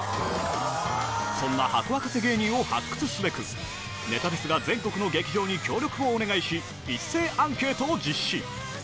そんなハコ沸かせ芸人を発掘すべく、ネタフェスが全国の劇場に協力をお願いし、一斉アンケートを実施。